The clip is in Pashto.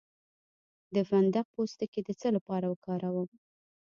د فندق پوستکی د څه لپاره وکاروم؟